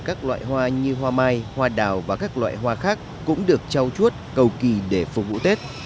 các loại hoa như hoa mai hoa đào và các loại hoa khác cũng được trao chuốt cầu kỳ để phục vụ tết